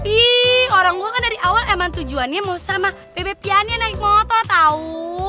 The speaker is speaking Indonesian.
iiih orang gue kan dari awal emang tujuannya sama bebek piannya naik motor tau